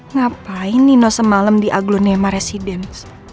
ngapain nino semalam di aglonema residence